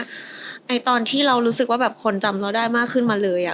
ตอนที่เรารู้สึกว่าแบบคนจำเราได้มากขึ้นมาเลย